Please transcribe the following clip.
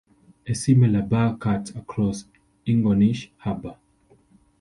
A similar bar cuts across Ingonish Harbor.